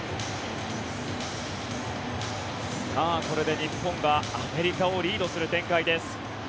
これで日本がアメリカをリードする展開です。